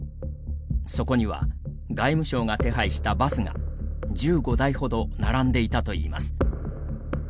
そこには、外務省が手配したバスが１５台ほど並んでいたといいます。